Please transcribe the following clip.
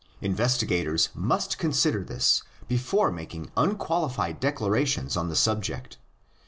Investigators must consider this before making unqualified declarations on the subject.